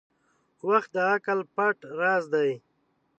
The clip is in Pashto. • وخت د عقل پټ راز دی.